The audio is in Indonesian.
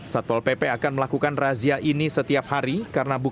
satpol pp akan melakukan razia ini setiap hari